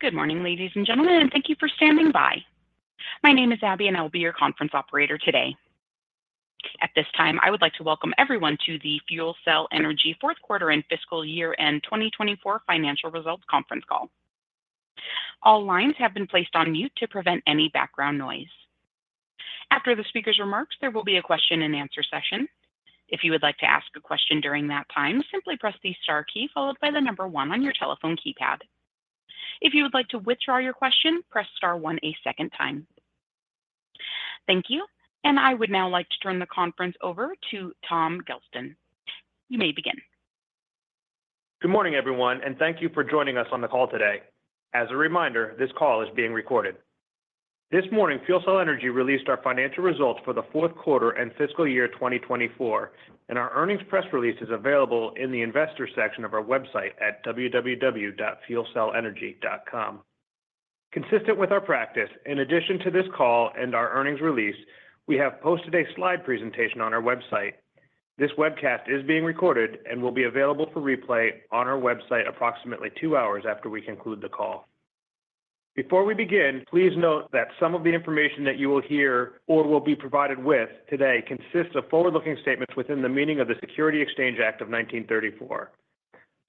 Good morning, ladies and gentlemen. Thank you for standing by. My name is Abby, and I will be your conference operator today. At this time, I would like to welcome everyone to the FuelCell Energy fourth quarter and fiscal year-end 2024 financial results conference call. All lines have been placed on mute to prevent any background noise. After the speaker's remarks, there will be a question-and-answer session. If you would like to ask a question during that time, simply press the star key followed by the number one on your telephone keypad. If you would like to withdraw your question, press star one a second time. Thank you. And I would now like to turn the conference over to Tom Gelston. You may begin. Good morning, everyone, and thank you for joining us on the call today. As a reminder, this call is being recorded. This morning, FuelCell Energy released our financial results for the fourth quarter and fiscal year 2024, and our earnings press release is available in the investor section of our website at www.fuelcellenergy.com. Consistent with our practice, in addition to this call and our earnings release, we have posted a slide presentation on our website. This webcast is being recorded and will be available for replay on our website approximately two hours after we conclude the call. Before we begin, please note that some of the information that you will hear or will be provided with today consists of forward-looking statements within the meaning of the Securities Exchange Act of 1934.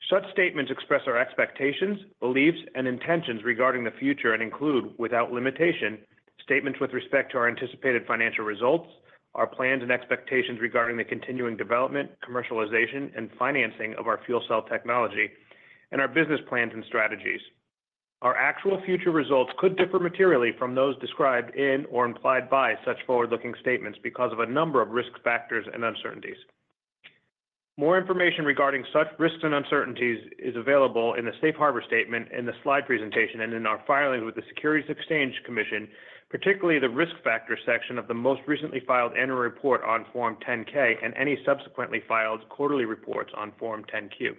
Such statements express our expectations, beliefs, and intentions regarding the future and include, without limitation, statements with respect to our anticipated financial results, our plans and expectations regarding the continuing development, commercialization, and financing of our fuel cell technology, and our business plans and strategies. Our actual future results could differ materially from those described in or implied by such forward-looking statements because of a number of risk factors and uncertainties. More information regarding such risks and uncertainties is available in the Safe Harbor Statement, in the slide presentation, and in our filings with the U.S. Securities and Exchange Commission, particularly the risk factor section of the most recently filed annual report on Form 10-K and any subsequently filed quarterly reports on Form 10-Q.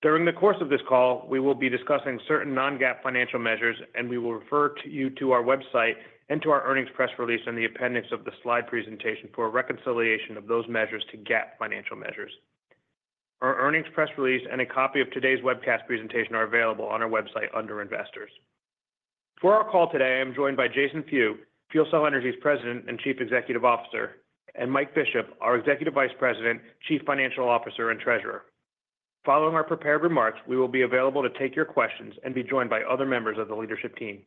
During the course of this call, we will be discussing certain non-GAAP financial measures, and we will refer you to our website and to our earnings press release and the appendix of the slide presentation for a reconciliation of those measures to GAAP financial measures. Our earnings press release and a copy of today's webcast presentation are available on our website under Investors. For our call today, I am joined by Jason Few, FuelCell Energy's President and Chief Executive Officer, and Mike Bishop, our Executive Vice President, Chief Financial Officer, and Treasurer. Following our prepared remarks, we will be available to take your questions and be joined by other members of the leadership team.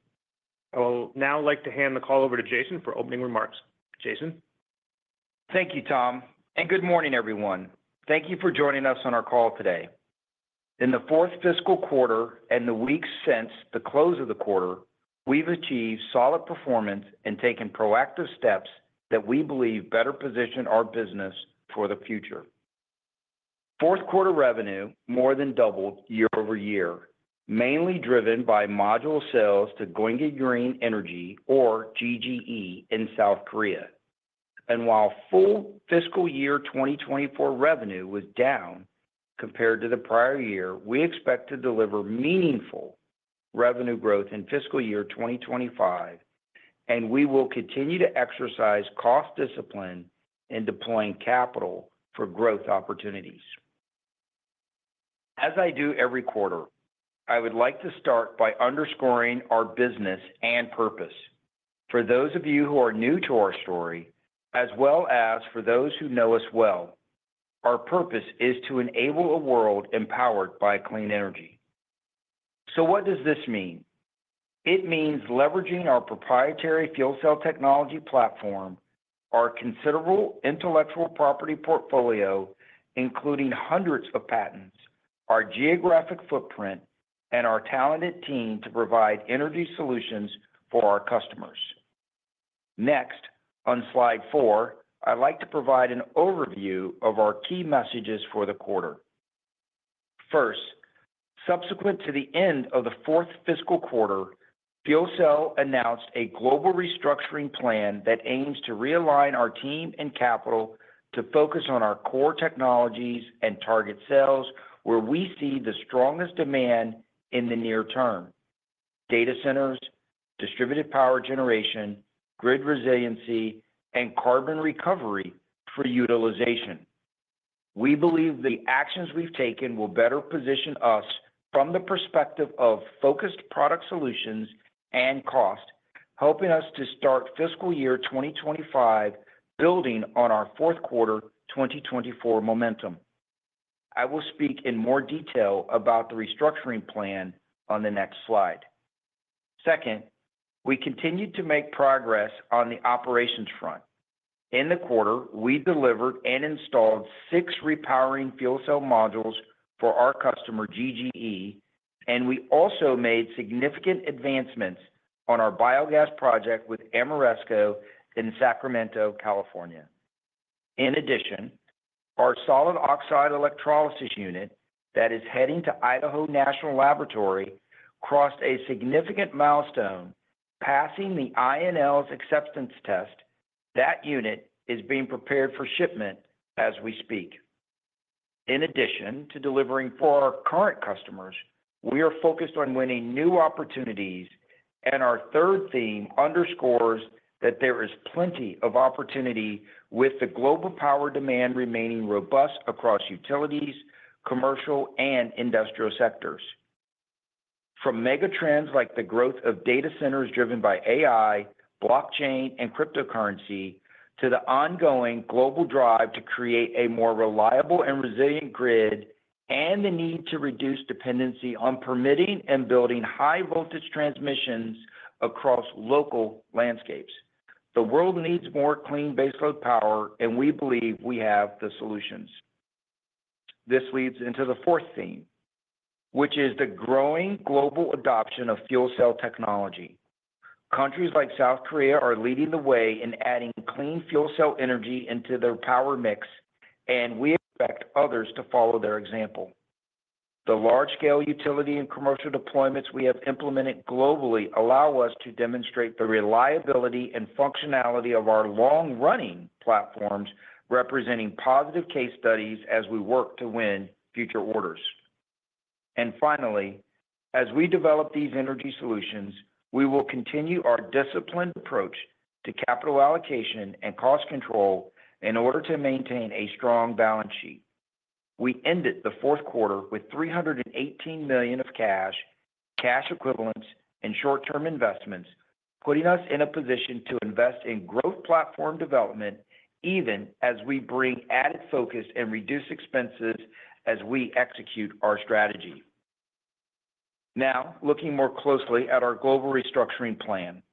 I will now like to hand the call over to Jason for opening remarks. Jason? Thank you, Tom. And good morning, everyone. Thank you for joining us on our call today. In the fourth fiscal quarter and the weeks since the close of the quarter, we've achieved solid performance and taken proactive steps that we believe better position our business for the future. Fourth quarter revenue more than doubled year-over-year, mainly driven by module sales to Gyeonggi Green Energy, or GGE, in South Korea. And while full fiscal year 2024 revenue was down compared to the prior year, we expect to deliver meaningful revenue growth in fiscal year 2025, and we will continue to exercise cost discipline in deploying capital for growth opportunities. As I do every quarter, I would like to start by underscoring our business and purpose. For those of you who are new to our story, as well as for those who know us well, our purpose is to enable a world empowered by clean energy. So what does this mean? It means leveraging our proprietary fuel cell technology platform, our considerable intellectual property portfolio, including hundreds of patents, our geographic footprint, and our talented team to provide energy solutions for our customers. Next, on slide four, I'd like to provide an overview of our key messages for the quarter. First, subsequent to the end of the fourth fiscal quarter, FuelCell Energy announced a global restructuring plan that aims to realign our team and capital to focus on our core technologies and target sales where we see the strongest demand in the near term: data centers, distributed power generation, grid resiliency, and carbon recovery for utilization. We believe the actions we've taken will better position us from the perspective of focused product solutions and cost, helping us to start fiscal year 2025 building on our fourth quarter 2024 momentum. I will speak in more detail about the restructuring plan on the next slide. Second, we continued to make progress on the operations front. In the quarter, we delivered and installed six repowering fuel cell modules for our customer, GGE, and we also made significant advancements on our biogas project with Ameresco in Sacramento, California. In addition, our solid oxide electrolysis unit that is heading to Idaho National Laboratory crossed a significant milestone, passing the INL's acceptance test. That unit is being prepared for shipment as we speak. In addition to delivering for our current customers, we are focused on winning new opportunities, and our third theme underscores that there is plenty of opportunity with the global power demand remaining robust across utilities, commercial, and industrial sectors. From mega trends like the growth of data centers driven by AI, blockchain, and cryptocurrency, to the ongoing global drive to create a more reliable and resilient grid, and the need to reduce dependency on permitting and building high-voltage transmissions across local landscapes. The world needs more clean baseload power, and we believe we have the solutions. This leads into the fourth theme, which is the growing global adoption of fuel cell technology. Countries like South Korea are leading the way in adding clean fuel cell energy into their power mix, and we expect others to follow their example. The large-scale utility and commercial deployments we have implemented globally allow us to demonstrate the reliability and functionality of our long-running platforms, representing positive case studies as we work to win future orders, and finally, as we develop these energy solutions, we will continue our disciplined approach to capital allocation and cost control in order to maintain a strong balance sheet. We ended the fourth quarter with $318 million of cash, cash equivalents, and short-term investments, putting us in a position to invest in growth platform development even as we bring added focus and reduce expenses as we execute our strategy. Now, looking more closely at our global restructuring plan,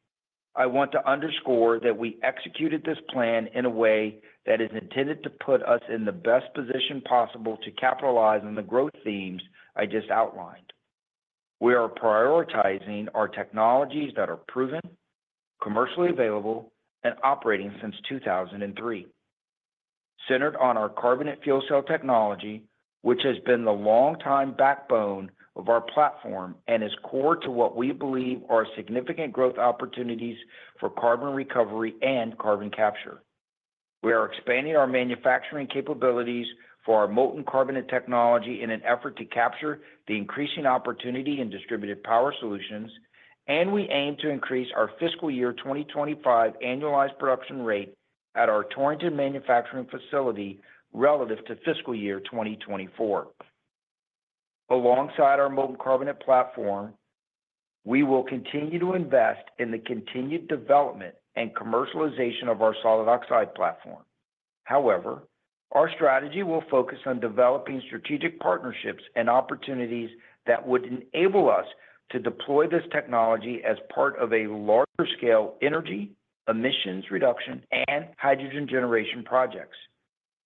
I want to underscore that we executed this plan in a way that is intended to put us in the best position possible to capitalize on the growth themes I just outlined. We are prioritizing our technologies that are proven, commercially available, and operating since 2003. Centered on our carbonate fuel cell technology, which has been the long-time backbone of our platform and is core to what we believe are significant growth opportunities for carbon recovery and carbon capture. We are expanding our manufacturing capabilities for our molten carbonate technology in an effort to capture the increasing opportunity in distributed power solutions, and we aim to increase our fiscal year 2025 annualized production rate at our Torrington manufacturing facility relative to fiscal year 2024. Alongside our molten carbonate platform, we will continue to invest in the continued development and commercialization of our solid oxide platform. However, our strategy will focus on developing strategic partnerships and opportunities that would enable us to deploy this technology as part of a larger-scale energy emissions reduction and hydrogen generation projects.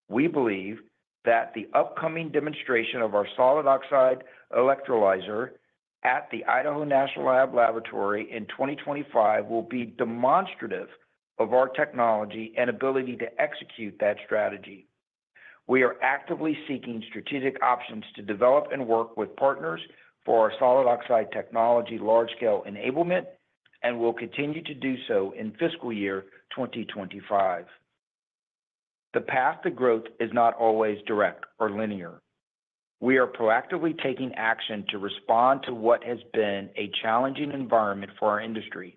We believe that the upcoming demonstration of our solid oxide electrolyzer at the Idaho National Laboratory in 2025 will be demonstrative of our technology and ability to execute that strategy. We are actively seeking strategic options to develop and work with partners for our solid oxide technology large-scale enablement and will continue to do so in fiscal year 2025. The path to growth is not always direct or linear. We are proactively taking action to respond to what has been a challenging environment for our industry.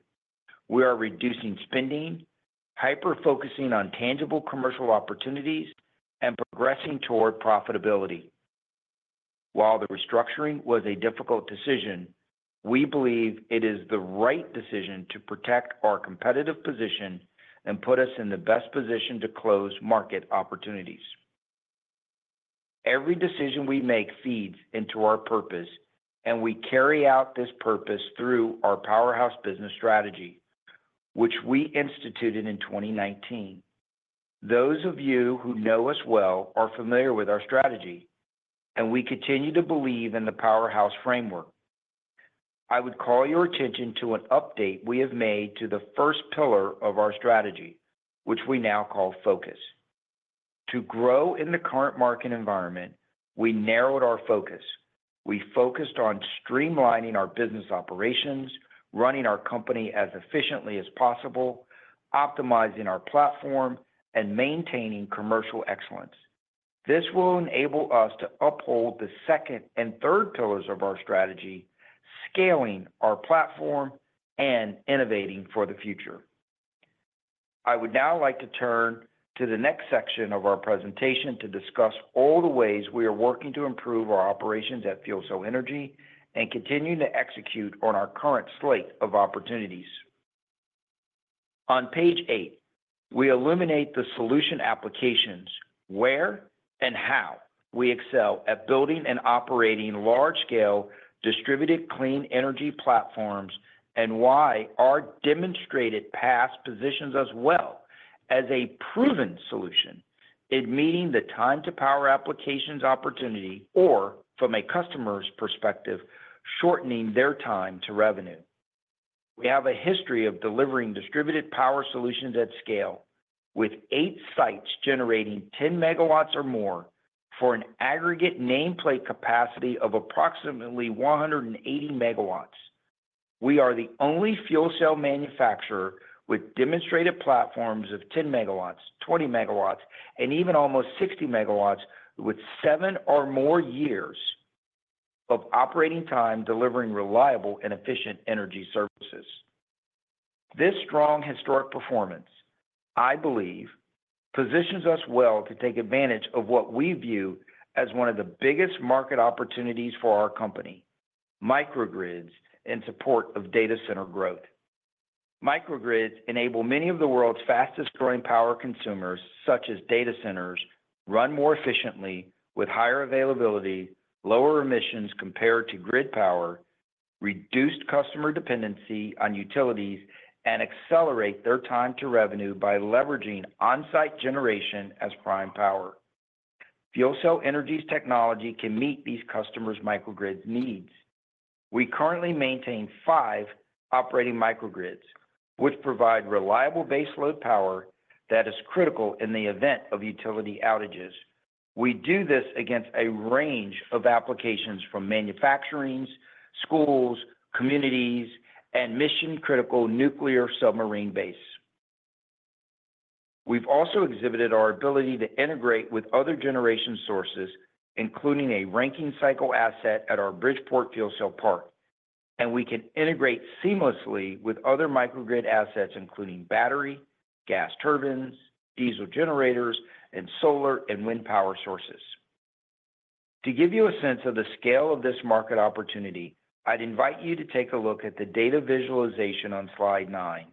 We are reducing spending, hyper-focusing on tangible commercial opportunities, and progressing toward profitability. While the restructuring was a difficult decision, we believe it is the right decision to protect our competitive position and put us in the best position to close market opportunities. Every decision we make feeds into our purpose, and we carry out this purpose through our powerhouse business strategy, which we instituted in 2019. Those of you who know us well are familiar with our strategy, and we continue to believe in the powerhouse framework. I would call your attention to an update we have made to the first pillar of our strategy, which we now call focus. To grow in the current market environment, we narrowed our focus. We focused on streamlining our business operations, running our company as efficiently as possible, optimizing our platform, and maintaining commercial excellence. This will enable us to uphold the second and third pillars of our strategy, scaling our platform, and innovating for the future. I would now like to turn to the next section of our presentation to discuss all the ways we are working to improve our operations at FuelCell Energy and continue to execute on our current slate of opportunities. On page eight, we illuminate the solution applications, where and how we excel at building and operating large-scale distributed clean energy platforms and why our demonstrated past positions us well as a proven solution, meeting the time-to-power applications opportunity or, from a customer's perspective, shortening their time to revenue. We have a history of delivering distributed power solutions at scale, with eight sites generating 10 megawatts or more for an aggregate nameplate capacity of approximately 180 megawatts. We are the only fuel cell manufacturer with demonstrated platforms of 10 megawatts, 20 megawatts, and even almost 60 megawatts, with seven or more years of operating time delivering reliable and efficient energy services. This strong historic performance, I believe, positions us well to take advantage of what we view as one of the biggest market opportunities for our company, microgrids in support of data center growth. Microgrids enable many of the world's fastest-growing power consumers, such as data centers, to run more efficiently with higher availability, lower emissions compared to grid power, reduce customer dependency on utilities, and accelerate their time to revenue by leveraging on-site generation as prime power. FuelCell Energy's technology can meet these customers' microgrids needs. We currently maintain five operating microgrids, which provide reliable baseload power that is critical in the event of utility outages. We do this against a range of applications from manufacturing, schools, communities, and mission-critical nuclear submarine bases. We've also exhibited our ability to integrate with other generation sources, including a Rankine cycle asset at our Bridgeport Fuel Cell Park, and we can integrate seamlessly with other microgrid assets, including battery, gas turbines, diesel generators, and solar and wind power sources. To give you a sense of the scale of this market opportunity, I'd invite you to take a look at the data visualization on slide nine,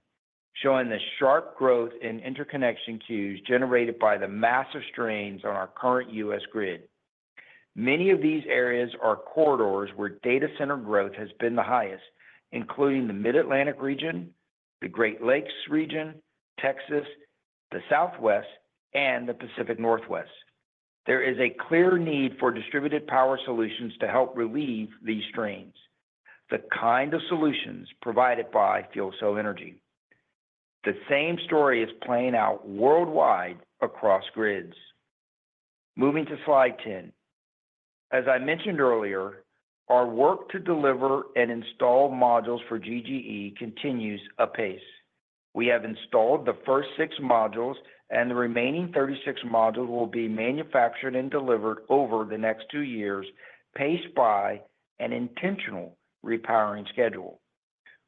showing the sharp growth in interconnection queues generated by the massive strains on our current U.S. grid. Many of these areas are corridors where data center growth has been the highest, including the Mid-Atlantic region, the Great Lakes region, Texas, the Southwest, and the Pacific Northwest. There is a clear need for distributed power solutions to help relieve these strains, the kind of solutions provided by FuelCell Energy. The same story is playing out worldwide across grids. Moving to slide 10. As I mentioned earlier, our work to deliver and install modules for GGE continues apace. We have installed the first six modules, and the remaining 36 modules will be manufactured and delivered over the next two years, paced by an intentional repowering schedule.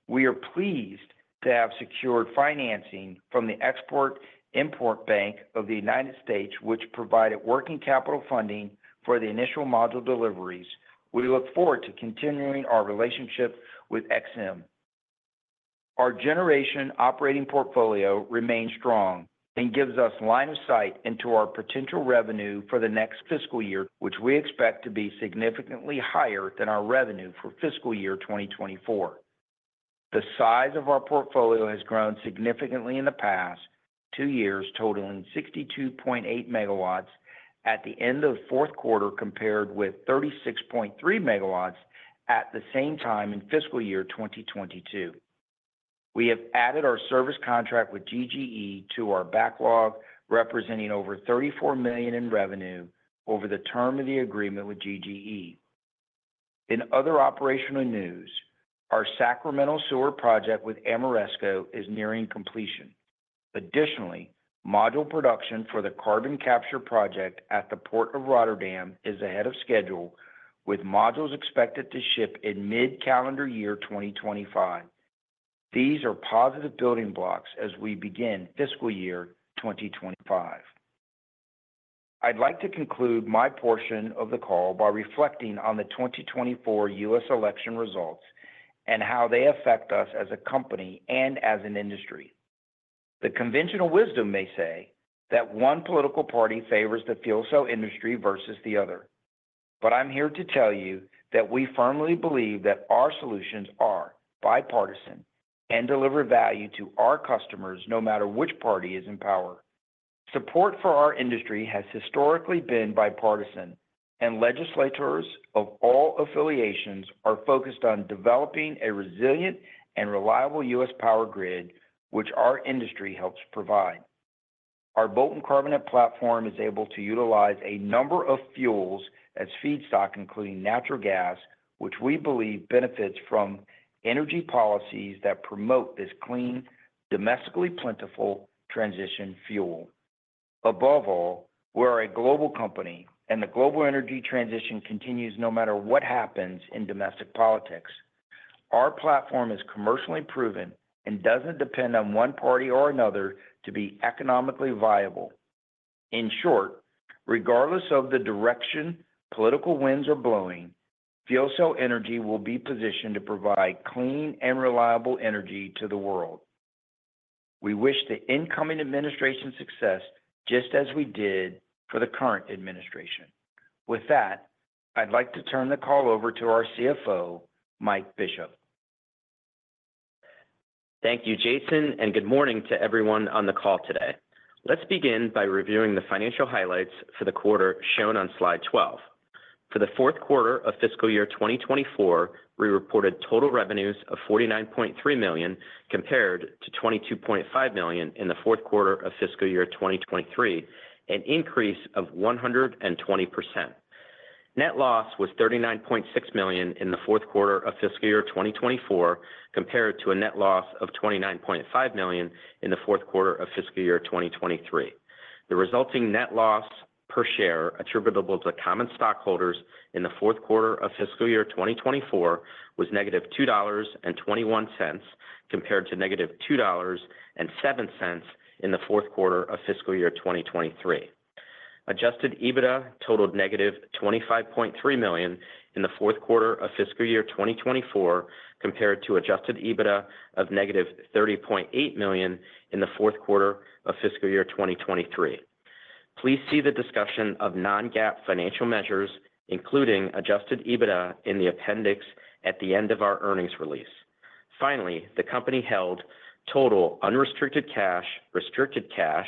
We are pleased to have secured financing from the Export-Import Bank of the United States, which provided working capital funding for the initial module deliveries. We look forward to continuing our relationship with EXIM. Our generation operating portfolio remains strong and gives us line of sight into our potential revenue for the next fiscal year, which we expect to be significantly higher than our revenue for fiscal year 2024. The size of our portfolio has grown significantly in the past two years, totaling 62.8 megawatts at the end of the fourth quarter compared with 36.3 megawatts at the same time in fiscal year 2022. We have added our service contract with GGE to our backlog, representing over $34 million in revenue over the term of the agreement with GGE. In other operational news, our Sacramento sewer project with Ameresco is nearing completion. Additionally, module production for the carbon capture project at the Port of Rotterdam is ahead of schedule, with modules expected to ship in mid-calendar year 2025. These are positive building blocks as we begin fiscal year 2025. I'd like to conclude my portion of the call by reflecting on the 2024 U.S. election results and how they affect us as a company and as an industry. The conventional wisdom may say that one political party favors the fuel cell industry versus the other, but I'm here to tell you that we firmly believe that our solutions are bipartisan and deliver value to our customers no matter which party is in power. Support for our industry has historically been bipartisan, and legislators of all affiliations are focused on developing a resilient and reliable U.S. power grid, which our industry helps provide. Our molten carbonate platform is able to utilize a number of fuels as feedstock, including natural gas, which we believe benefits from energy policies that promote this clean, domestically plentiful transition fuel. Above all, we are a global company, and the global energy transition continues no matter what happens in domestic politics. Our platform is commercially proven and doesn't depend on one party or another to be economically viable. In short, regardless of the direction political winds are blowing, FuelCell Energy will be positioned to provide clean and reliable energy to the world. We wish the incoming administration success just as we did for the current administration. With that, I'd like to turn the call over to our CFO, Mike Bishop. Thank you, Jason, and good morning to everyone on the call today. Let's begin by reviewing the financial highlights for the quarter shown on slide 12. For the fourth quarter of fiscal year 2024, we reported total revenues of $49.3 million compared to $22.5 million in the fourth quarter of fiscal year 2023, an increase of 120%. Net loss was $39.6 million in the fourth quarter of fiscal year 2024, compared to a net loss of $29.5 million in the fourth quarter of fiscal year 2023. The resulting net loss per share attributable to common stockholders in the fourth quarter of fiscal year 2024 was negative $2.21 compared to negative $2.07 in the fourth quarter of fiscal year 2023. Adjusted EBITDA totaled negative $25.3 million in the fourth quarter of fiscal year 2024, compared to adjusted EBITDA of negative $30.8 million in the fourth quarter of fiscal year 2023. Please see the discussion of non-GAAP financial measures, including Adjusted EBITDA, in the appendix at the end of our earnings release. Finally, the company held total unrestricted cash, restricted cash,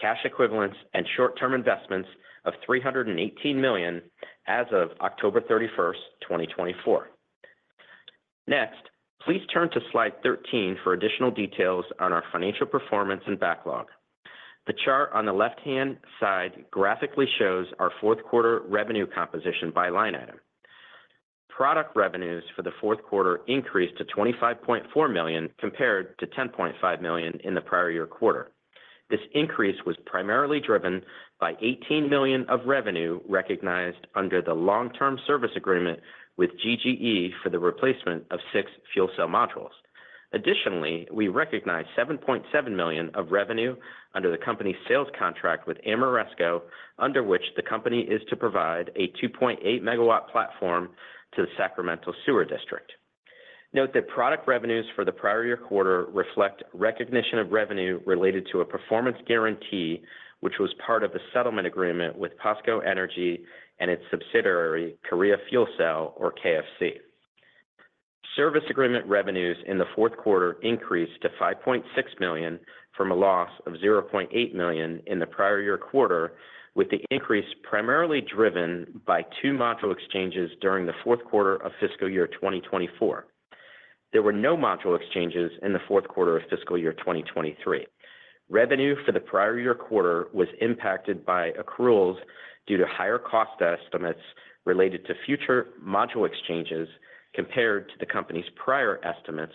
cash equivalents, and short-term investments of $318 million as of October 31st, 2024. Next, please turn to slide 13 for additional details on our financial performance and backlog. The chart on the left-hand side graphically shows our fourth quarter revenue composition by line item. Product revenues for the fourth quarter increased to $25.4 million compared to $10.5 million in the prior year quarter. This increase was primarily driven by $18 million of revenue recognized under the long-term service agreement with GGE for the replacement of six fuel cell modules. Additionally, we recognize $7.7 million of revenue under the company's sales contract with Ameresco, under which the company is to provide a 2.8-megawatt platform to the Sacramento sewer district. Note that product revenues for the prior year quarter reflect recognition of revenue related to a performance guarantee, which was part of a settlement agreement with POSCO Energy and its subsidiary, Korea Fuel Cell, or KFC. Service agreement revenues in the fourth quarter increased to $5.6 million from a loss of $0.8 million in the prior year quarter, with the increase primarily driven by two module exchanges during the fourth quarter of fiscal year 2024. There were no module exchanges in the fourth quarter of fiscal year 2023. Revenue for the prior year quarter was impacted by accruals due to higher cost estimates related to future module exchanges compared to the company's prior estimates,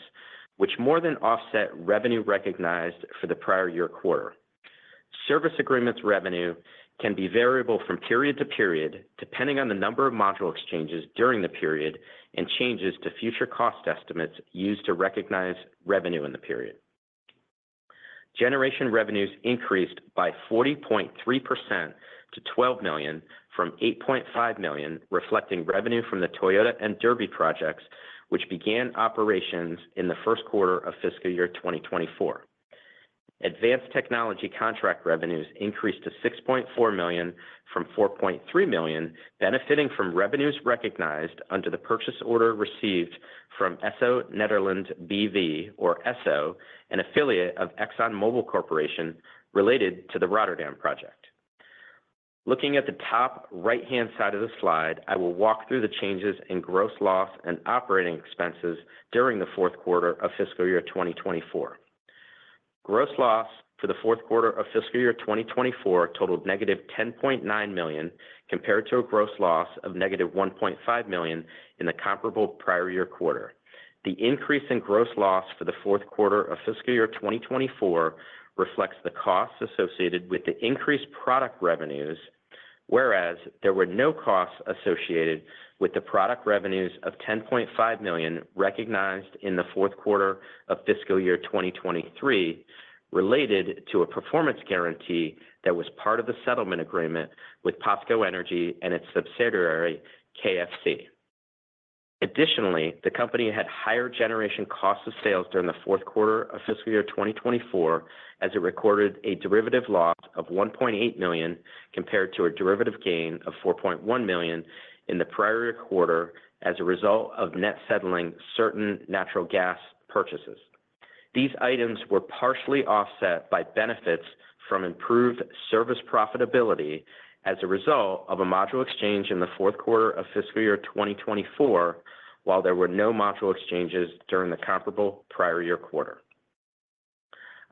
which more than offset revenue recognized for the prior year quarter. Service agreements revenue can be variable from period to period, depending on the number of module exchanges during the period and changes to future cost estimates used to recognize revenue in the period. Generation revenues increased by 40.3% to $12 million from $8.5 million, reflecting revenue from the Toyota and Derby projects, which began operations in the first quarter of fiscal year 2024. Advanced technology contract revenues increased to $6.4 million from $4.3 million, benefiting from revenues recognized under the purchase order received from Esso Netherlands B.V., or Esso, an affiliate of ExxonMobil Corporation related to the Rotterdam project. Looking at the top right-hand side of the slide, I will walk through the changes in gross loss and operating expenses during the fourth quarter of fiscal year 2024. Gross loss for the fourth quarter of fiscal year 2024 totaled negative $10.9 million compared to a gross loss of negative $1.5 million in the comparable prior year quarter. The increase in gross loss for the fourth quarter of fiscal year 2024 reflects the costs associated with the increased product revenues, whereas there were no costs associated with the product revenues of $10.5 million recognized in the fourth quarter of fiscal year 2023 related to a performance guarantee that was part of the settlement agreement with POSCO Energy and its subsidiary, KFC. Additionally, the company had higher generation costs of sales during the fourth quarter of fiscal year 2024, as it recorded a derivative loss of $1.8 million compared to a derivative gain of $4.1 million in the prior year quarter as a result of net settling certain natural gas purchases. These items were partially offset by benefits from improved service profitability as a result of a module exchange in the fourth quarter of fiscal year 2024, while there were no module exchanges during the comparable prior year quarter.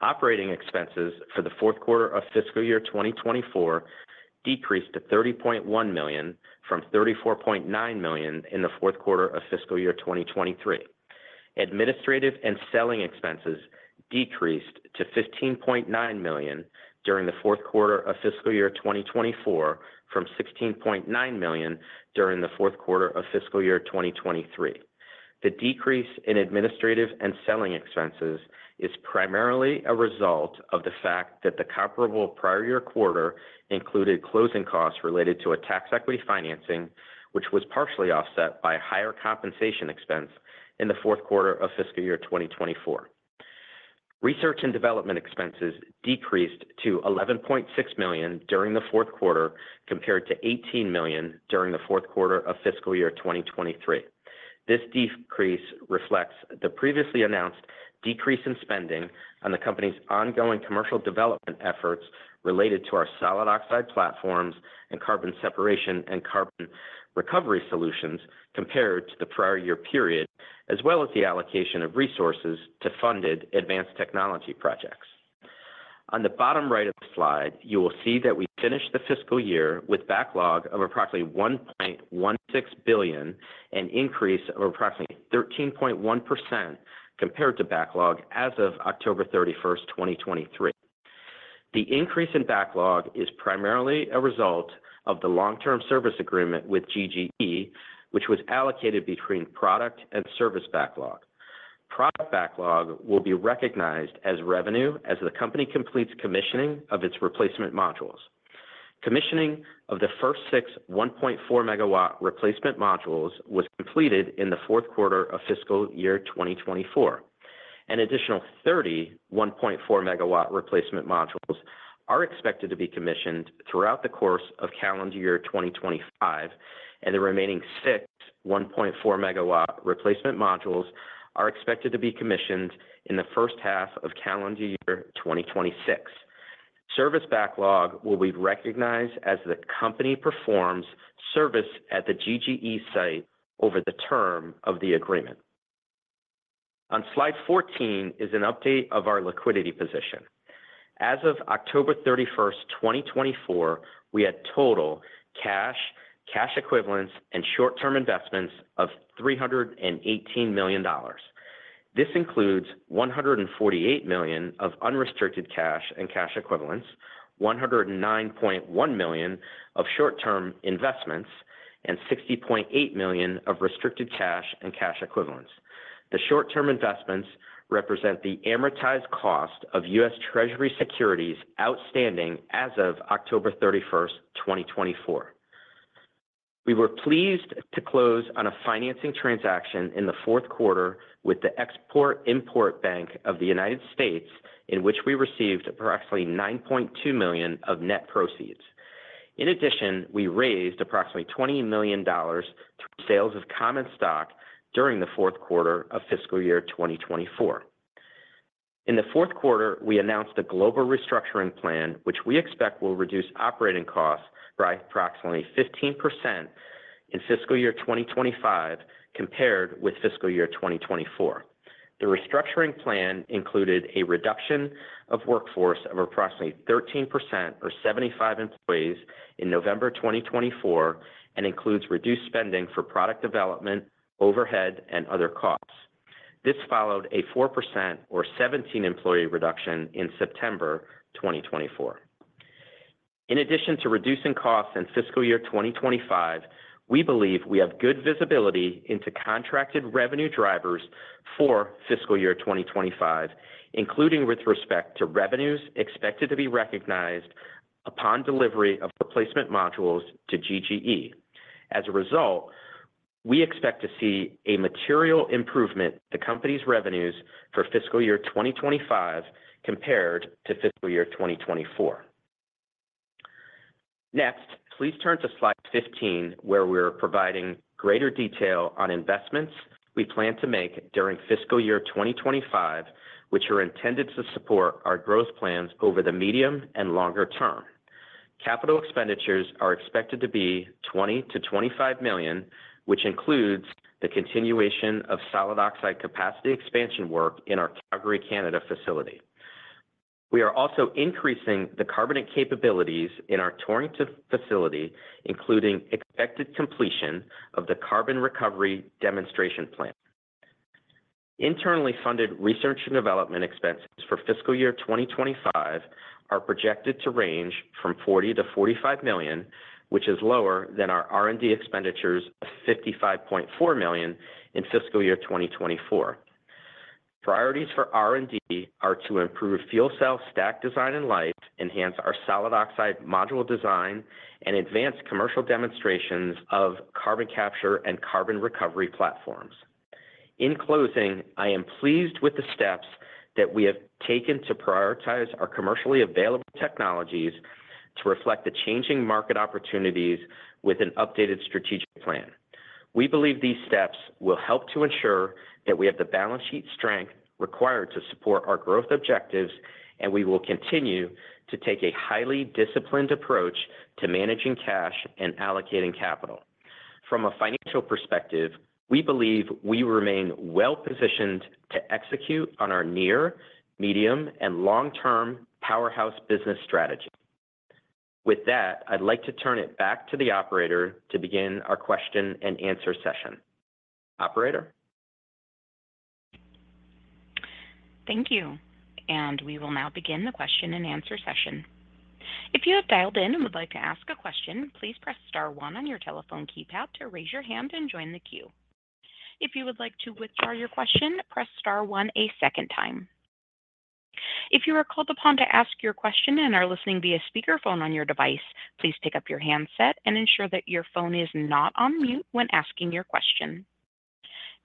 Operating expenses for the fourth quarter of fiscal year 2024 decreased to $30.1 million from $34.9 million in the fourth quarter of fiscal year 2023. Administrative and selling expenses decreased to $15.9 million during the fourth quarter of fiscal year 2024 from $16.9 million during the fourth quarter of fiscal year 2023. The decrease in administrative and selling expenses is primarily a result of the fact that the comparable prior year quarter included closing costs related to a tax equity financing, which was partially offset by a higher compensation expense in the fourth quarter of fiscal year 2024. Research and development expenses decreased to $11.6 million during the fourth quarter compared to $18 million during the fourth quarter of fiscal year 2023. This decrease reflects the previously announced decrease in spending on the company's ongoing commercial development efforts related to our solid oxide platforms and carbon separation and carbon recovery solutions compared to the prior year period, as well as the allocation of resources to funded advanced technology projects. On the bottom right of the slide, you will see that we finished the fiscal year with backlog of approximately $1.16 billion, an increase of approximately 13.1% compared to backlog as of October 31st, 2023. The increase in backlog is primarily a result of the long-term service agreement with GGE, which was allocated between product and service backlog. Product backlog will be recognized as revenue as the company completes commissioning of its replacement modules. Commissioning of the first six 1.4-megawatt replacement modules was completed in the fourth quarter of fiscal year 2024. An additional 30 1.4-megawatt replacement modules are expected to be commissioned throughout the course of calendar year 2025, and the remaining six 1.4-megawatt replacement modules are expected to be commissioned in the first half of calendar year 2026. Service backlog will be recognized as the company performs service at the GGE site over the term of the agreement. On slide 14 is an update of our liquidity position. As of October 31st, 2024, we had total cash, cash equivalents, and short-term investments of $318 million. This includes $148 million of unrestricted cash and cash equivalents, $109.1 million of short-term investments, and $60.8 million of restricted cash and cash equivalents. The short-term investments represent the amortized cost of U.S. Treasury securities outstanding as of October 31st, 2024. We were pleased to close on a financing transaction in the fourth quarter with the Export-Import Bank of the United States, in which we received approximately $9.2 million of net proceeds. In addition, we raised approximately $20 million through sales of common stock during the fourth quarter of fiscal year 2024. In the fourth quarter, we announced a global restructuring plan, which we expect will reduce operating costs by approximately 15% in fiscal year 2025 compared with fiscal year 2024. The restructuring plan included a reduction of workforce of approximately 13%, or 75 employees, in November 2024 and includes reduced spending for product development, overhead, and other costs. This followed a 4%, or 17-employee reduction in September 2024. In addition to reducing costs in fiscal year 2025, we believe we have good visibility into contracted revenue drivers for fiscal year 2025, including with respect to revenues expected to be recognized upon delivery of replacement modules to GGE. As a result, we expect to see a material improvement in the company's revenues for fiscal year 2025 compared to fiscal year 2024. Next, please turn to slide 15, where we're providing greater detail on investments we plan to make during fiscal year 2025, which are intended to support our growth plans over the medium and longer term. Capital expenditures are expected to be $20 million-$25 million, which includes the continuation of solid oxide capacity expansion work in our Calgary, Canada facility. We are also increasing the carbonate capabilities in our Torrington facility, including expected completion of the carbon recovery demonstration plan. Internally funded research and development expenses for fiscal year 2025 are projected to range from $40 million-$45 million, which is lower than our R&D expenditures of $55.4 million in fiscal year 2024. Priorities for R&D are to improve fuel cell stack design and life, enhance our solid oxide module design, and advance commercial demonstrations of carbon capture and carbon recovery platforms. In closing, I am pleased with the steps that we have taken to prioritize our commercially available technologies to reflect the changing market opportunities with an updated strategic plan. We believe these steps will help to ensure that we have the balance sheet strength required to support our growth objectives, and we will continue to take a highly disciplined approach to managing cash and allocating capital. From a financial perspective, we believe we remain well-positioned to execute on our near, medium, and long-term powerhouse business strategy. With that, I'd like to turn it back to the operator to begin our question and answer session. Operator. Thank you. And we will now begin the question and answer session. If you have dialed in and would like to ask a question, please press star one on your telephone keypad to raise your hand and join the queue. If you would like to withdraw your question, press star one a second time. If you are called upon to ask your question and are listening via speakerphone on your device, please pick up your handset and ensure that your phone is not on mute when asking your question.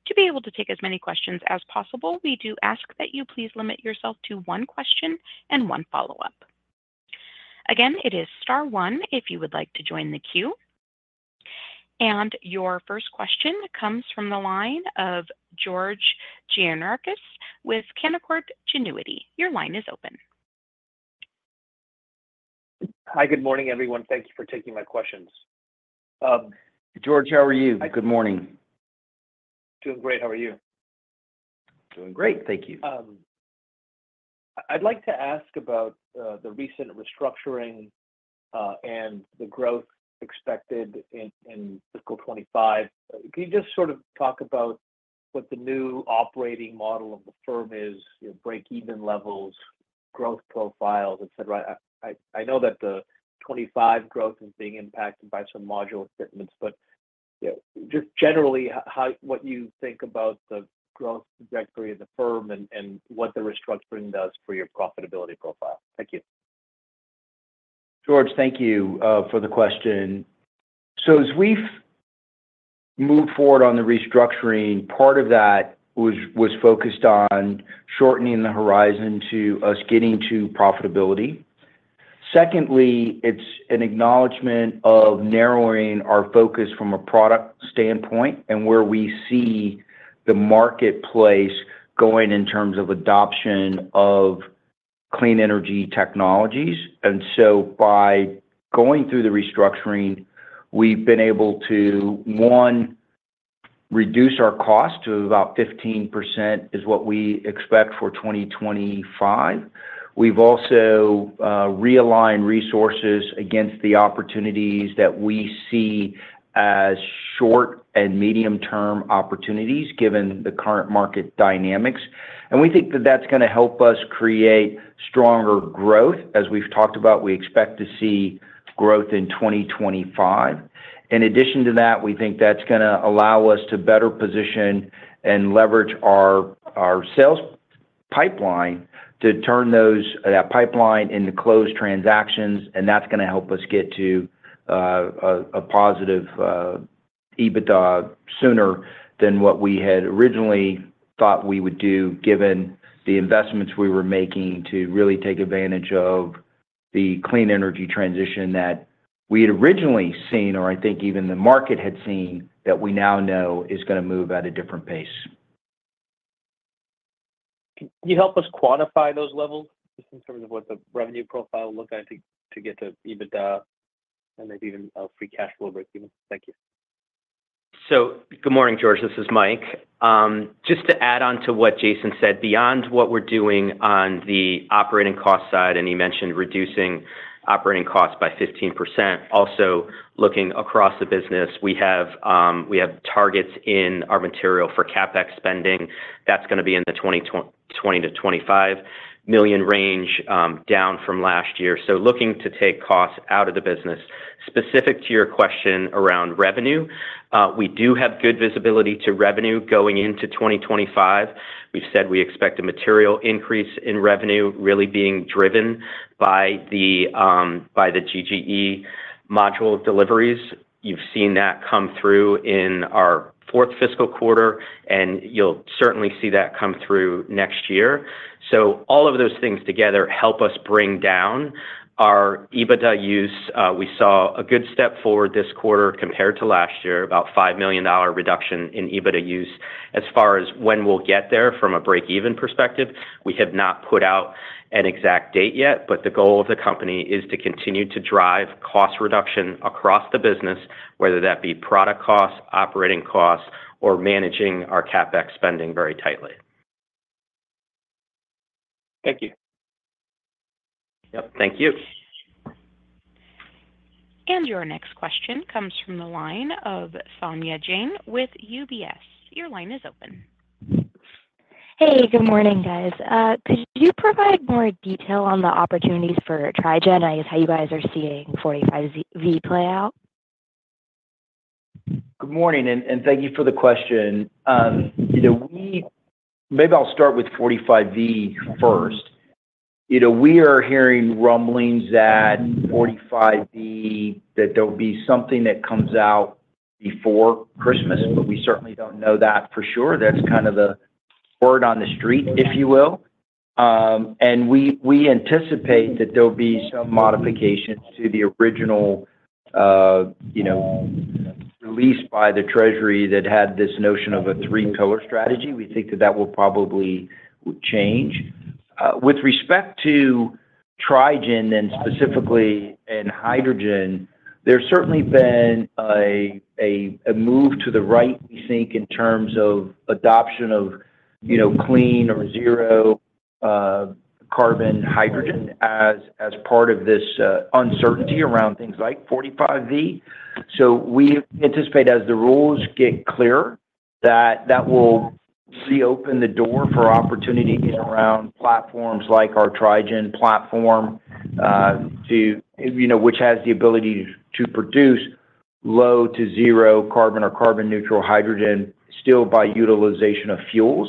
To be able to take as many questions as possible, we do ask that you please limit yourself to one question and one follow-up. Again, it is star one if you would like to join the queue. Your first question comes from the line of George Gianarikas with Canaccord Genuity. Your line is open. Hi, good morning, everyone. Thank you for taking my questions. George, how are you? Hi. Good morning. Doing great. How are you? Doing great. Thank you. I'd like to ask about the recent restructuring and the growth expected in fiscal 2025. Can you just sort of talk about what the new operating model of the firm is, your break-even levels, growth profiles, etc.? I know that the 2025 growth is being impacted by some module equipment, but just generally, what you think about the growth trajectory of the firm and what the restructuring does for your profitability profile. Thank you. George, thank you for the question. As we've moved forward on the restructuring, part of that was focused on shortening the horizon to us getting to profitability. Secondly, it's an acknowledgment of narrowing our focus from a product standpoint and where we see the marketplace going in terms of adoption of clean energy technologies. And so by going through the restructuring, we've been able to, one, reduce our cost to about 15% is what we expect for 2025. We've also realigned resources against the opportunities that we see as short and medium-term opportunities given the current market dynamics. And we think that that's going to help us create stronger growth. As we've talked about, we expect to see growth in 2025. In addition to that, we think that's going to allow us to better position and leverage our sales pipeline to turn that pipeline into closed transactions, and that's going to help us get to a positive EBITDA sooner than what we had originally thought we would do, given the investments we were making to really take advantage of the clean energy transition that we had originally seen, or I think even the market had seen, that we now know is going to move at a different pace. Can you help us quantify those levels in terms of what the revenue profile looked like to get to EBITDA and maybe even a free cash flow break-even? Thank you. So good morning, George. This is Mike. Just to add on to what Jason said, beyond what we're doing on the operating cost side, and you mentioned reducing operating costs by 15%, also looking across the business, we have targets in our material for CapEx spending. That's going to be in the $20 million-$25 million range down from last year. So looking to take costs out of the business. Specific to your question around revenue, we do have good visibility to revenue going into 2025. We've said we expect a material increase in revenue really being driven by the GGE module deliveries. You've seen that come through in our fourth fiscal quarter, and you'll certainly see that come through next year. So all of those things together help us bring down our EBITDA use. We saw a good step forward this quarter compared to last year, about $5 million reduction in EBITDA use. As far as when we'll get there from a break-even perspective, we have not put out an exact date yet, but the goal of the company is to continue to drive cost reduction across the business, whether that be product costs, operating costs, or managing our CapEx spending very tightly. Thank you. Yep. Thank you. And your next question comes from the line of Saumya Jain with UBS. Your line is open. Hey, good morning, guys. Could you provide more detail on the opportunities for Tri-gen and how you guys are seeing 45V play out? Good morning, and thank you for the question. Maybe I'll start with 45V first. We are hearing rumblings that 45V, that there'll be something that comes out before Christmas, but we certainly don't know that for sure. That's kind of the word on the street, if you will. And we anticipate that there'll be some modifications to the original release by the Treasury that had this notion of a three-pillar strategy. We think that that will probably change. With respect to Tri-gen and specifically in hydrogen, there's certainly been a move to the right, we think, in terms of adoption of clean or zero-carbon hydrogen as part of this uncertainty around things like 45V. So we anticipate, as the rules get clearer, that that will reopen the door for opportunity around platforms like our Tri-gen platform, which has the ability to produce low to zero-carbon or carbon-neutral hydrogen still by utilization of fuels.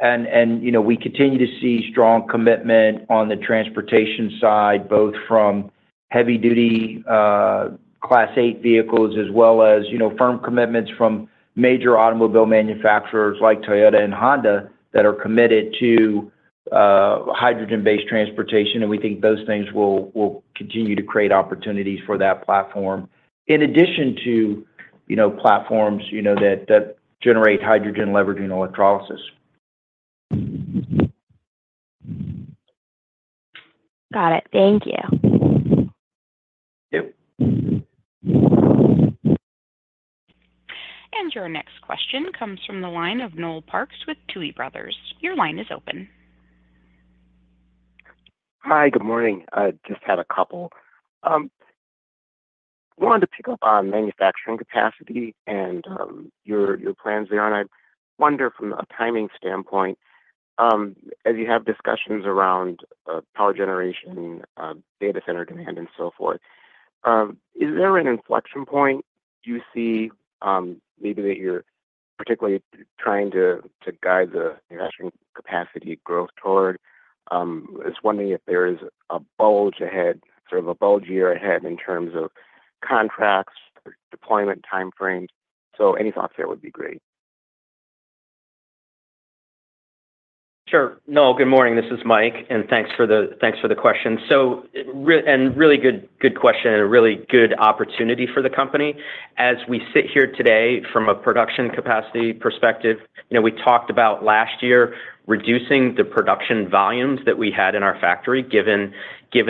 And we continue to see strong commitment on the transportation side, both from heavy-duty Class 8 vehicles as well as firm commitments from major automobile manufacturers like Toyota and Honda that are committed to hydrogen-based transportation. And we think those things will continue to create opportunities for that platform, in addition to platforms that generate hydrogen leveraging electrolysis. Got it. Thank you. And your next question comes from the line of Noel Parks with Tuohy Brothers. Your line is open. Hi, good morning. I just had a couple. I wanted to pick up on manufacturing capacity and your plans there. And I wonder, from a timing standpoint, as you have discussions around power generation, data center demand, and so forth, is there an inflection point you see maybe that you're particularly trying to guide the manufacturing capacity growth toward? I was wondering if there is a bulge ahead, sort of a bulge year ahead in terms of contracts, deployment timeframes. So any thoughts there would be great. Sure. No, good morning. This is Mike, and thanks for the question. Really good question and a really good opportunity for the company. As we sit here today from a production capacity perspective, we talked about last year reducing the production volumes that we had in our factory given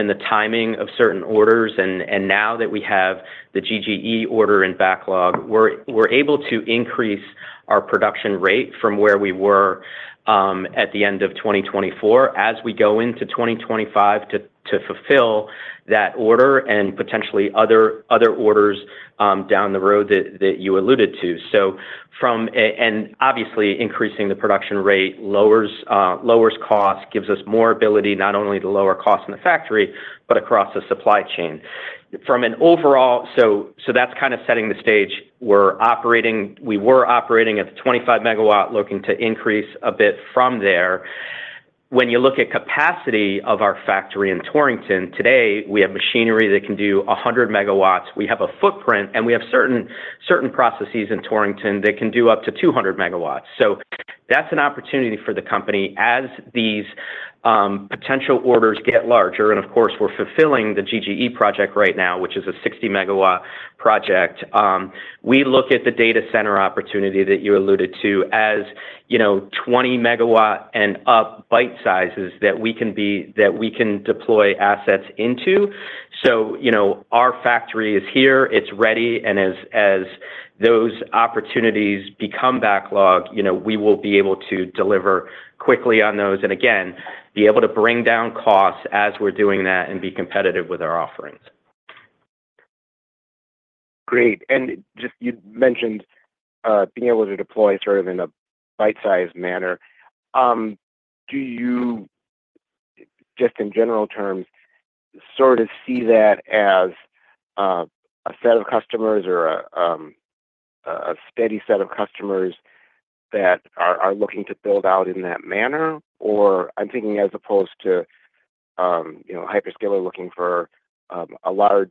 the timing of certain orders. Now that we have the GGE order in backlog, we're able to increase our production rate from where we were at the end of 2024 as we go into 2025 to fulfill that order and potentially other orders down the road that you alluded to. Obviously, increasing the production rate lowers costs, gives us more ability not only to lower costs in the factory, but across the supply chain. That's kind of setting the stage. We were operating at 25 megawatts, looking to increase a bit from there. When you look at capacity of our factory in Torrington, today, we have machinery that can do 100 megawatts. We have a footprint, and we have certain processes in Torrington that can do up to 200 megawatts. So that's an opportunity for the company as these potential orders get larger. And of course, we're fulfilling the GGE project right now, which is a 60-megawatt project. We look at the data center opportunity that you alluded to as 20-megawatt and up bite sizes that we can deploy assets into. So our factory is here. It's ready. And as those opportunities become backlog, we will be able to deliver quickly on those and, again, be able to bring down costs as we're doing that and be competitive with our offerings. Great. And just, you mentioned being able to deploy sort of in a bite-sized manner. Do you, just in general terms, sort of see that as a set of customers or a steady set of customers that are looking to build out in that manner? Or I'm thinking as opposed to hyperscaler looking for a large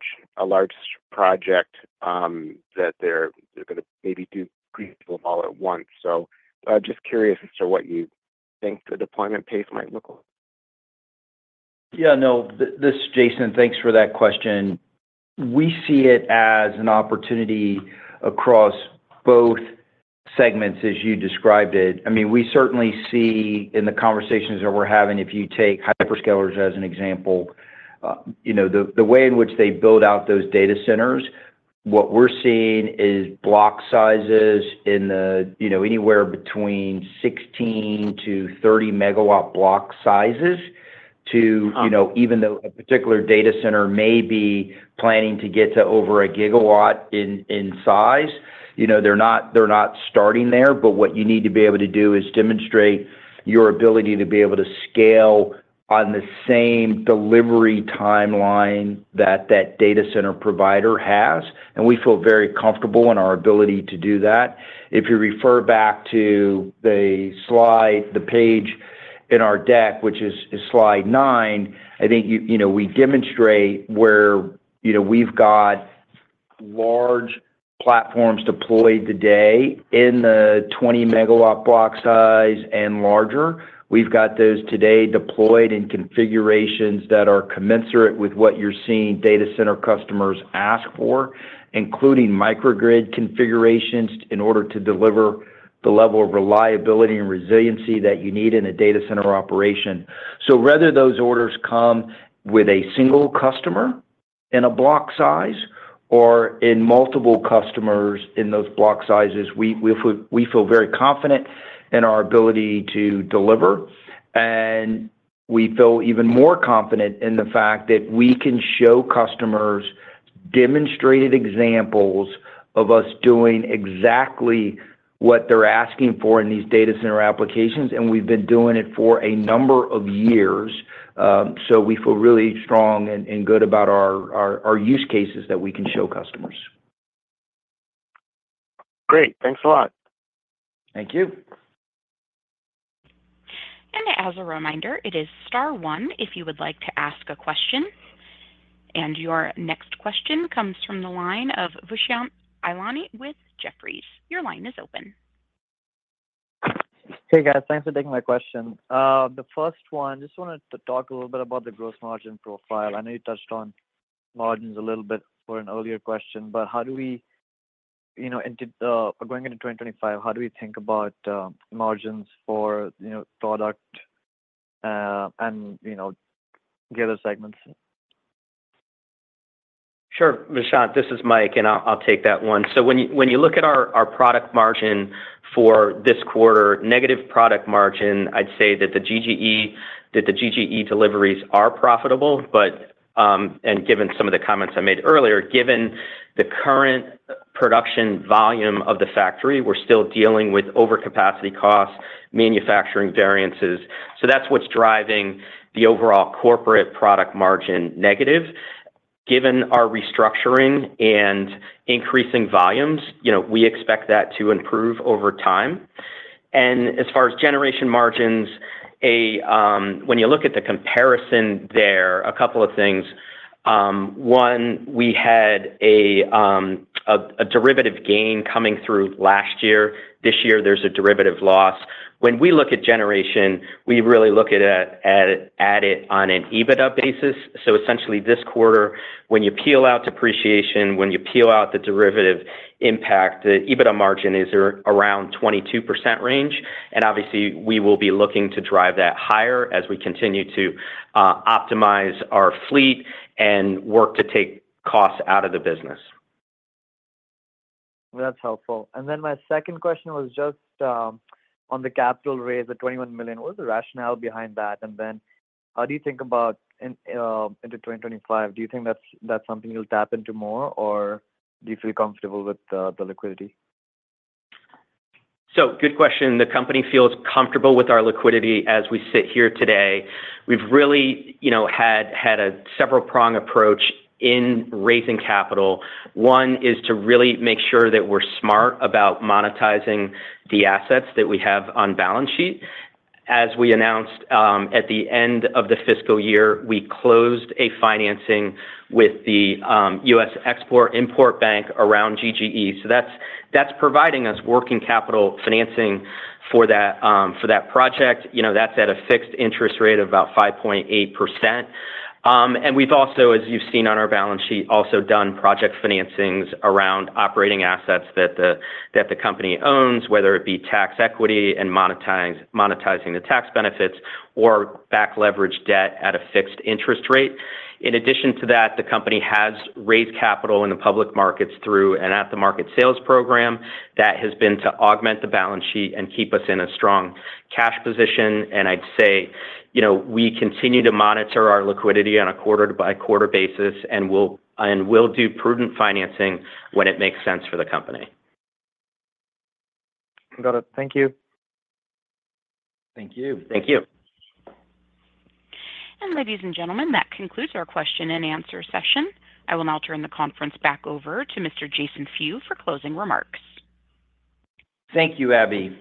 project that they're going to maybe do three people all at once. So I'm just curious as to what you think the deployment pace might look like. Yeah. No, Jason, thanks for that question. We see it as an opportunity across both segments, as you described it. I mean, we certainly see in the conversations that we're having, if you take hyperscalers as an example, the way in which they build out those data centers, what we're seeing is block sizes in anywhere between 16- to 30-megawatt block sizes to even though a particular data center may be planning to get to over a gigawatt in size, they're not starting there. But what you need to be able to do is demonstrate your ability to be able to scale on the same delivery timeline that that data center provider has. And we feel very comfortable in our ability to do that. If you refer back to the slide, the page in our deck, which is slide nine, I think we demonstrate where we've got large platforms deployed today in the 20-megawatt block size and larger. We've got those today deployed in configurations that are commensurate with what you're seeing data center customers ask for, including microgrid configurations in order to deliver the level of reliability and resiliency that you need in a data center operation. So whether those orders come with a single customer in a block size or in multiple customers in those block sizes, we feel very confident in our ability to deliver. And we feel even more confident in the fact that we can show customers demonstrated examples of us doing exactly what they're asking for in these data center applications. And we've been doing it for a number of years. So we feel really strong and good about our use cases that we can show customers. Great. Thanks a lot. Thank you. And as a reminder, it is star one if you would like to ask a question. Your next question comes from the line of Dushyant Ailani with Jefferies. Your line is open. Hey, guys. Thanks for taking my question. The first one, I just wanted to talk a little bit about the gross margin profile. I know you touched on margins a little bit for an earlier question, but how do we going into 2025, how do we think about margins for product and the other segments? Sure. Dushyant, this is Mike, and I'll take that one. So when you look at our product margin for this quarter, negative product margin, I'd say that the GGE deliveries are profitable. And given some of the comments I made earlier, given the current production volume of the factory, we're still dealing with overcapacity costs, manufacturing variances. So that's what's driving the overall corporate product margin negative. Given our restructuring and increasing volumes, we expect that to improve over time. And as far as generation margins, when you look at the comparison there, a couple of things. One, we had a derivative gain coming through last year. This year, there's a derivative loss. When we look at generation, we really look at it on an EBITDA basis. So essentially, this quarter, when you peel out depreciation, when you peel out the derivative impact, the EBITDA margin is around 22% range. And obviously, we will be looking to drive that higher as we continue to optimize our fleet and work to take costs out of the business. That's helpful. And then my second question was just on the capital raise, the $21 million. What was the rationale behind that? And then how do you think about into 2025? Do you think that's something you'll tap into more, or do you feel comfortable with the liquidity? So good question. The company feels comfortable with our liquidity as we sit here today. We've really had a several-pronged approach in raising capital. One is to really make sure that we're smart about monetizing the assets that we have on balance sheet. As we announced at the end of the fiscal year, we closed a financing with the U.S. Export-Import Bank around GGE. So that's providing us working capital financing for that project. That's at a fixed interest rate of about 5.8%. And we've also, as you've seen on our balance sheet, done project financings around operating assets that the company owns, whether it be tax equity and monetizing the tax benefits or back leveraged debt at a fixed interest rate. In addition to that, the company has raised capital in the public markets through an at-the-market sales program that has been to augment the balance sheet and keep us in a strong cash position. I'd say we continue to monitor our liquidity on a quarter-by-quarter basis, and we'll do prudent financing when it makes sense for the company. Got it. Thank you. Thank you. Thank you. Ladies and gentlemen, that concludes our question and answer session. I will now turn the conference back over to Mr. Jason Few for closing remarks. Thank you, Abby.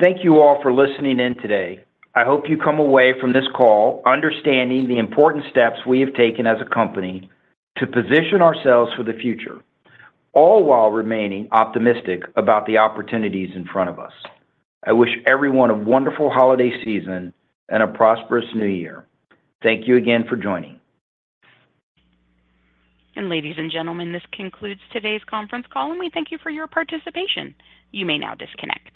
Thank you all for listening in today. I hope you come away from this call understanding the important steps we have taken as a company to position ourselves for the future, all while remaining optimistic about the opportunities in front of us. I wish everyone a wonderful holiday season and a prosperous New Year. Thank you again for joining. Ladies and gentlemen, this concludes today's conference call, and we thank you for your participation. You may now disconnect.